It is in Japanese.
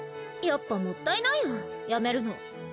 やっぱもったいないよ辞めるの。